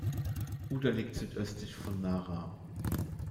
Uda liegt südöstlich von Nara.